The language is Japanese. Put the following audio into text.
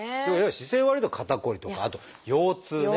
姿勢悪いと肩こりとかあと腰痛ね。